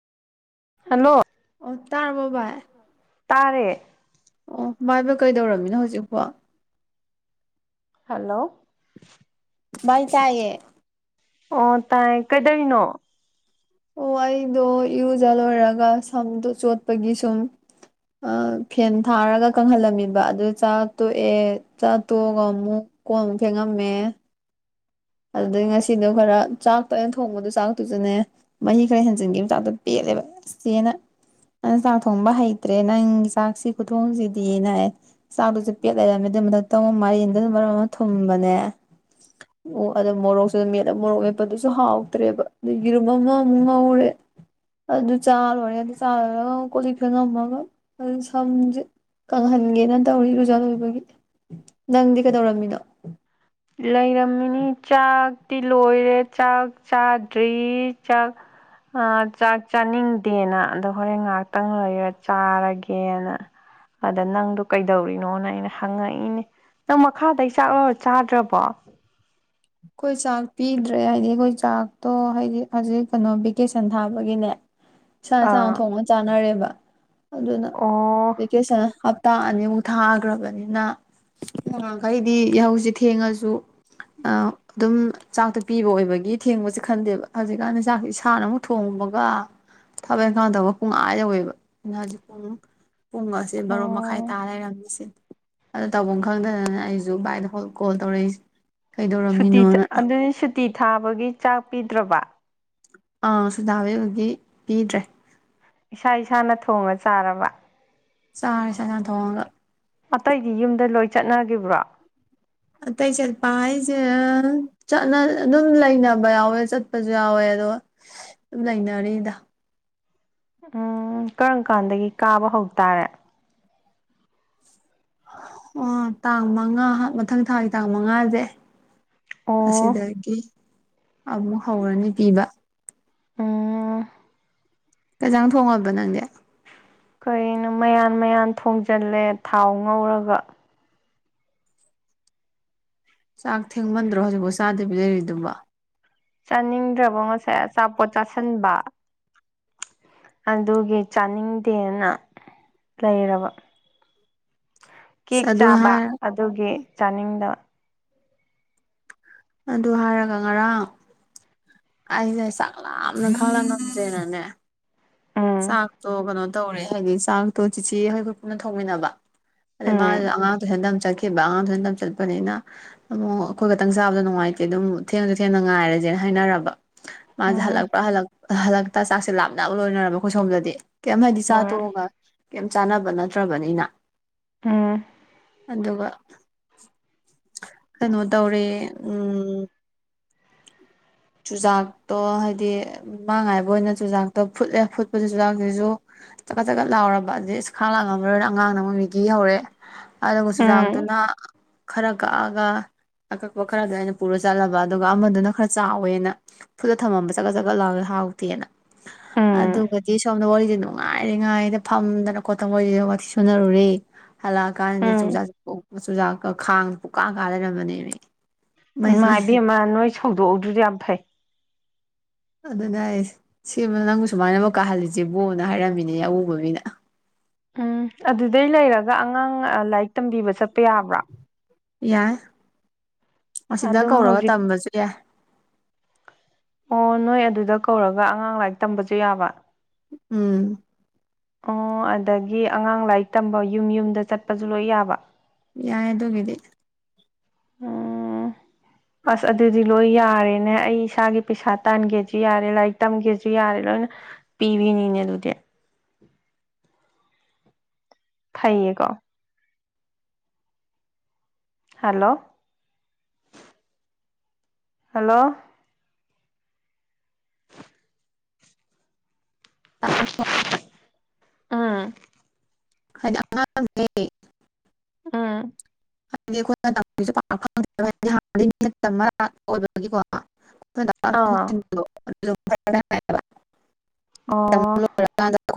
hello ꯑꯣ ꯇꯥꯔ꯭ꯕꫭ ꯕꯥꯥꯏ ꯇꯥꯔꯦ ꯑꯣ ꯃꯥꯗꯣ ꯀꯩꯗꯧꯔꯝꯃꯤꯅꯣ ꯍꯧꯖꯤꯛꯄꯣ ꯍꯜꯂꯣ ꯕꯥꯏ ꯇꯥꯏꯌꯦ ꯑꯣ ꯇꯥꯏ ꯀꯩꯗꯣꯢꯅꯣ ꯑꯣ ꯑꯩꯗꯣ ꯏꯔꯨꯖ ꯂꯣꯏꯔꯒ ꯁꯝꯗꯣ ꯆꯣꯠꯄꯒꯤ ꯁꯨꯝ ꯐꯦꯟ ꯊꯥꯔꯒ ꯀꯪꯍꯜꯂꯝꯃꯤꯕ ꯑꯗꯨ ꯆꯥ ꯇꯣꯛꯑꯦ ꯆꯥ ꯇꯣꯛꯑꯒ ꯑꯃꯨꯛ ꯀꯣꯟ ꯑꯃꯨꯛ ꯐꯦꯡꯉꯝꯃꯦ ꯑꯗꯨꯗꯩ ꯉꯁꯤꯗꯣ ꯈꯔ ꯆꯥꯛꯇ ꯑꯩꯅ ꯊꯣꯡꯕꯗꯣ ꯆꯥꯛꯇꯨꯁꯨꯅꯦ ꯃꯍꯤ ꯈꯔ ꯍꯦꯟꯖꯤꯟꯈꯤ ꯆꯥꯛꯇꫭ ꯄꯦꯜꯂꯦꯕ ꯆꯦꯅ ꯅꯪ ꯆꯥꯛ ꯊꯣꯡꯕ ꯍꯩꯇ꯭ꯔꯦꯅ ꯅꯪꯒꯤ ꯆꯥꯛꯁꯤ ꯈꯨꯊꯣꯡꯁꯤꯗꯤꯅ ꯆꯥꯛꯇꯨꯁꯨ ꯄꯦꯠ ꯂꯩꯔꯝꯃꯦ ꯑꯗꯨ ꯃꯊꯛꯇ ꯑꯃꯨꯛ ꯃꯥꯢꯔꯦꯟꯗꯨꯅ ꯃꯔꯣꯟ ꯑꯃ ꯊꯨꯝꯕꯅꯦ ꯑꯣ ꯑꯗ ꯃꯣꯔꯣꯛꯁꯨ ꯑꯗꯨ ꯃꯦꯠꯂ ꯃꯣꯔꯣꯛ ꯃꯦꯄꯗꯨꯁꯨ ꯍꯥꯎꯇ꯭ꯔꯦꯕ ꯑꯗꯨꯏ ꯌꯦꯔꯨꯝ ꯑꯃꯃꯨꯛ ꯉꯧꯔꯦ ꯑꯗꯨ ꯆꯥ ꯂꯣꯏꯔꯦ ꯑꯗꯨ ꯆꯥ ꯂꯣꯏꯔꯒ ꯀꯣꯂꯤꯛ ꯐꯦꯡ ꯉꯝꯃꯒ ꯑꯗꯨ ꯁꯝꯁꯦ ꯀꯪꯍꯟꯒꯦꯅ ꯇꯧꯔꯤ ꯏꯔꯨꯖꯥ ꯂꯣꯏꯕꯒꯤ ꯅꯪꯗꯤ ꯀꯩꯗꯧꯔꯝꯃꯤꯅꯣ ꯂꯩꯔꯝꯃꯤꯅꯤ ꯆꯥꯛꯇꯤ ꯂꯣꯏꯔꯦ ꯆꯥꯛ ꯆꯥꯗ꯭ꯔꯤ ꯆꯥꯛ ꯑ ꯆꯥꯛ ꯆꯥꯅꯤꯡꯗꯦꯅ ꯑꯗꯣ ꯍꯣꯔꯦꯟ ꯉꯥꯏꯍꯥꯛꯇꯪ ꯂꯩꯔꯒ ꯆꯥꯔꯒꯦꯅ ꯑꯗꯥ ꯅꯪꯗꯣ ꯀꯩꯗꯧꯔꯤꯅꯣꯅ ꯑꯩꯅ ꯍꯪꯉꯛꯏꯅꯤ ꯅꯪ ꯃꯈꯥꯗꯩ ꯆꯥꯛ ꯂꯧꯔ ꯆ ꯗ꯭ꯔꯕꯣ ꯑꯈꯣꯏ ꯆꯥꯛ ꯄꯤꯗ꯭ꯔꯦ ꯍꯥꯏꯗꯤ ꯑꯈꯣꯏ ꯆꯥꯛꯇꯣ ꯍꯥꯏꯗꯤ ꯍꯧꯖꯤꯛ ꯀꯩꯅꯣ ꯚꯦꯀꯦꯁꯟ ꯊꯥꯕꯒꯤꯅꯦ ꯏꯁꯥ ꯏꯁꯥꯅ ꯑꯥ ꯊꯣꯡꯉꯒ ꯆꯥꯅꯔꯦꯕ ꯑꯗꯨꯅ ꯑꯣ ꯚꯦꯀꯦꯁꯟ ꯍꯞꯇꯥ ꯑꯅꯤꯃꯨꯛ ꯊꯥꯈ꯭ꯔꯕꯅꯤꯅ ꯅꯌꯍꯥꯟꯈꯩꯗꯤ ꯌꯥꯍꯧꯁꯤ ꯊꯦꯡꯉꯁꯨ ꯑ ꯑꯗꯨꯝ ꯆꯥꯛꯇꯣ ꯄꯤꯕ ꯑꯣꯏꯕꯒꯤ ꯊꯦꯡꯕꯁꯦ ꯈꯟꯗꯦꯕ ꯍꯧꯖꯤꯛꯀꯥꯟꯗꯤ ꯆꯥꯛꯁꯤ ꯏꯁꯥꯅ ꯑꯃꯨꯛ ꯊꯣꯡꯕꯒ ꯊꯥꯕꯛ ꯏꯪꯀꯥꯡꯗꯧꯕ ꯄꯨꯡ ꯑꯥ ꯌꯧꯋꯦꯕ ꯑꯩꯅ ꯍꯧꯖꯤꯛ ꯄꯨꯡ ꯄꯨꯡ ꯀꯁꯦ ꯕꯥꯔꯣ ꯃꯈꯥꯏ ꯑꯣ ꯇꯥ ꯂꯩꯔꯝꯃꯤꯁꯦ ꯑꯗꯨ ꯇꯧꯐꯝ ꯈꯪꯗꯗꯅ ꯑꯩꯁꯨ ꯚꯥꯏꯗ ꯀꯣꯜ ꯇꯧꯔꯛꯏꯁꯤꯅꯤ ꯀꯩꯗꯧ ꯁꯨꯇꯤ ꯑꯗꯨꯗꯤ ꯁꯨꯇꯤ ꯊꯥꯕꯒꯤ ꯆꯥꯛ ꯄꯤꯗ꯭ꯔꯕ ꯑꯥ ꯁꯨꯇꯤ ꯊꯥꯕꯒꯤ ꯑꫭꯏꯗꯤ ꯄꯤꯗ꯭ꯔꯦ ꯏꯁꯥ ꯏꯁꯥꯅ ꯊꯣꯡꯉ ꯆꯥꯔꯕ ꯆꯥꯔꯦ ꯆꯥꯅ ꯊꯣꯡꯉꯒ ꯑꯇꯩꯗꯤ ꯌꯨꯝꯗ ꯂꯣꯏ ꯆꯠꯅꯈꯤꯕ꯭ꯔꯣ ꯑꯇꯩ ꯆꯠꯄ ꯍꯥꯏꯁꯦ ꯆꯠꯅ ꯑꯗꯨꯝ ꯂꯩꯅꯕ ꯌꯥꯎꯋꯦ ꯆꯠꯄꯁꯨ ꯌꯥꯎꯋꯦ ꯑꯗꯣ ꯂꯩꯅꯔꯤꯗ ꯎꯝ ꯀꯔꯝ ꯀꯥꯟꯗꯒꯤ ꯀꯥꯕ ꯍꯧꯇꯥꯔꯦ ꯑꯣ ꯇꯥꯡ ꯃꯉꯥ ꯃꯊꯪ ꯊꯥꯒꯤ ꯇꯥꯡ ꯃꯉꯥꯁꯦ ꯑꯣ ꯑꯁꯤꯗꯒꯤ ꯑꯃꯨꯛ ꯍꯧꯔꯅꯤ ꯄꯤꯕ ꯎꯝ ꯀꯩ ꯌꯦꯟꯁꯥꯡ ꯊꯣꯡꯉꯕ ꯅꯪꯗꯤ ꯀꯩꯅꯣ ꯃꯌꯥꯟ ꯃꯌꯥꯟ ꯊꯣꯡꯖꯤꯜꯂꯦ ꯊꯥꯎ ꯉꯧꯔꯒ ꯆꯥꯛ ꯊꯦꯡꯃꯟꯗ꯭ꯔꯣ ꯍꯧꯖꯤꯛꯐꯥꯎ ꯆꯥꯗꯕꯤ ꯂꯩꯔꯤꯗꯨꯕ ꯆꯥꯅꯤꯡꯗ꯭ꯔꯕ ꯉꯁꯥꯢ ꯑꯆꯥꯄꯣꯠ ꯆꯥꯁꯤꯟꯕ ꯑꯗꯨꯒꯤ ꯆꯥꯅꯤꯡꯗꯦꯅ ꯂꯩꯔꯕ ꯑꯁ ꯀꯦꯛ ꯑꯗꯨ ꯆꯥꯕ ꯍꯥꯏꯔ ꯑꯗꯨꯒꯤ ꯆꯥꯅꯤꯡꯗ ꯑꯗꯨ ꯍꯥꯏꯔꯒ ꯉꯔꯥꯡ ꯑꯩꯅ ꯆꯥꯛ ꯂꯥꯝꯅ ꯈꯪꯂꯛ ꯉꯝꯗꯔꯦꯅꯅꯦ ꯎꯝ ꯆꯥꯛꯇꯣ ꯀꯩꯅꯣ ꯇꯧꯔꯦ ꯍꯥꯏꯗꯤ ꯆꯥꯛꯇꯣ ꯆꯤꯆꯦ ꯈꯣꯏ ꯄꯨꯟꯅ ꯊꯧꯃꯤꯟꯅꯕ ꯑꯗꯩ ꯎꯝ ꯃꯥꯁꯨ ꯑꯉꯥꯡ ꯇꯨꯢꯁꯥꯟ ꯇꯥꯝ ꯆꯠꯈꯤꯕ ꯑꯉꯥꯡꯁꯨ ꯇꯨꯢꯁꯥꯟ ꯇꯝ ꯆꯠꯄꯅꯤꯅ ꯑꯃꯨꯛ ꯑꯩꯈꯣꯏ ꯈꯛꯇꯪ ꯆꯥꯕꯗꯣ ꯅꯨꯡꯉꯥꯏꯇꯦ ꯑꯗꯨꯝ ꯊꯦꯡꯉꯁꯨ ꯊꯦꯡꯅ ꯉꯥꯏꯔꯁꯦꯅ ꯍꯥꯏꯅꯔꯕ ꯃꯥꯁꯦ ꯎꯝ ꯍꯜꯂꯛꯄ꯭ꯔꯥ ꯍꯜꯂꯛꯇ ꯆꯥꯛꯁꯦ ꯂꯥꯝꯕꯅ ꯂꯣꯏꯅꯔꯕ ꯑꯩꯈꯣꯏ ꯁꯣꯝꯗꯗꯤ ꯀꯩꯝ ꯍꯥꯏꯗꯤ ꯎꯝ ꯆꯥꯊꯣꯛꯑꯒ ꯀꯩꯝ ꯆꯥꯟꯅꯕ ꯅꯠꯇ꯭ꯔꯕꯅꯤꯅ ꯑꯝ ꯑꯗꯨꯒ ꯀꯩꯅꯣ ꯇꯧꯔꯦ ꯎꯝ [inaudible] ꯆꯨꯖꯥꯛꯇꯣ ꯍꯥꯏꯗꯤ ꯃꯉꯥꯏꯕ ꯑꯣꯏꯅ ꯆꯨꯖꯥꯛꯇꯣ ꯐꯨꯠꯂꯦ ꯐꯨꯠꯄꯗ ꯆꯨꯖꯥꯛꯁꯤꯁꯨ ꯆꯀꯠ ꯆꯀꯠ ꯂꯥꯎꯔꯕ ꯑꯗꯨꯗꯤ ꯏꯁ ꯈꯪ ꯂꯥꯛ ꯉꯝꯃꯔꯣꯏꯅ ꯑꯉꯥꯡꯅ ꯑꯃꯨꯛ ꯃꯦꯒꯤ ꯍꯧꯔꯦ ꯑꯗꯨꯒ ꯎꯝ ꯆꯨꯖꯥꯛꯇꯨꯅ ꯈꯔ ꯀꯛꯑꯒ ꯑꯀꯛꯄ ꯈꯔꯗꯣ ꯑꯩꯅ ꯄꯨꯔ ꯆꯠꯂꯕ ꯑ ꯑꯗꯨꯒ ꯑꯃꯗꯨꯅ ꯈꯔ ꯆꯥꯎꯋꯦꯅ ꯐꯨꯠꯂ ꯊꯝꯃꯝꯕ ꯆꯠꯀꯠ ꯆꯠꯀꯠ ꯂꯥꯎꯋꯦ ꯍꯥꯎꯇꯦꯅ ꯎꯝ ꯑꯗꯨꯒꯗꯤ ꯁꯣꯝꯗ ꯋꯥꯔꯤꯗꯤ ꯅꯨꯡꯉꯥꯏ ꯉꯥꯏꯔꯤꯉꯥꯏꯗ ꯐꯝꯗꯅ ꯈꯣꯠꯇꯅ ꯋꯥꯊꯤ ꯁꯨꯅꯔꯨꯔꯦ ꯍꯜꯂꯛꯑꯀꯥꯟꯗꯗꯤ ꯎꯝ ꯆꯨꯖꯥꯛꯁꯨ ꯆꯨꯖꯥꯛꯀ ꯈꯥꯡ ꯄꯨꯀꯥ ꯀꯥ ꯂꯩꯔꯝꯕꯅꯦꯃꯦ ꯃꯍ ꯏꯃꯥ [inaudible] ꯏꯕꯦꯝꯃ ꯅꯣꯏ ꯁꯧꯗꯣꯛꯎꯗ꯭ꯔꯗꯣ ꯌꯥꯝ ꯐꯩ ꯑꯗꯨꯅ ꯑꯩ ꯁꯦꯝꯕ ꯅꯪꯕꯨ ꯁꯨꯃꯥꯏꯅ ꯑꯃꯨꯛ ꯀꯥꯍꯜꯂꯤꯁꯦꯕꯣꯅ ꯍꯥꯏꯔꯝꯃꯤꯅꯦ ꯑꯎꯨꯕ ꯃꯤꯅ ꯎꯝ ꯑꯗꯨꯗꯩ ꯂꯩꯔꯒ ꯑꯉꯥꯡ ꯂꯥꯏꯔꯤꯛ ꯇꯝꯕꯤꯕ ꯆꯠꯄ ꯌꯥꯕ꯭ꯔꯣ ꯌꯥꯏ ꯑꯁꯤꯗ ꯑꯗꯨꯝ ꯀꯧꯔꯒ ꯍꯧꯖꯤꯛ ꯇꯝꯕꯁꯨ ꯌꯥꯏ ꯑꯣ ꯅꯣꯏ ꯑꯗꯨꯗ ꯀꯧꯔꯒ ꯑꯉꯥꯡ ꯂꯥꯏꯔꯤꯛ ꯇꯝꯕꯁꯨ ꯌꯥꯕ ꯎꯝ ꯑꯣ ꯑꯗꯒꯤ ꯑꯉꯥꯡ ꯂꯥꯏꯔꯤꯛ ꯇꯝꯕ ꯌꯨꯝ ꯌꯨꯝꯗ ꯆꯠꯄꯁꯨ ꯂꯣꯏ ꯌꯥꯕ ꯌꯥꯏ ꯑꯗꯨꯒꯤꯗꯤ ꯎꯝ ꯑꯁ ꯑꯗꯨꯗꯤ ꯂꯣꯏ ꯌꯥꯔꯦꯅꯦ ꯑꯩ ꯏꯁꯥꯒꯤ ꯄꯩꯁꯥ ꯇꯥꯟꯒꯦꯁꯨ ꯌꯥꯔꯦ ꯂꯥꯏꯔꯤꯛ ꯇꯝꯒꯦꯁꯨ ꯌꯥꯔꯦ ꯂꯣꯏꯅ ꯄꯤꯕꯤꯅꯤꯅꯦ ꯑꯗꯨꯗꯤ ꯐꯩꯌꯦꯀꯣ ꯍꯜꯂꯣ ꯍꯜꯂꯣ ꯑꯥ [inaudible] ꯑꯥꯝ ꯍ [inaudible] ꯑꯥꯝ ꯍꯥꯏꯗꯤ ꯑꯩꯈꯣꯏꯅ ꯑꯥ [unintelligible] [unintelligible] ꯑꯣ [unintelligible]